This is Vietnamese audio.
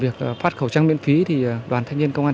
và ngoài việc phát khẩu trang miễn phí thì đoàn thanh niên công an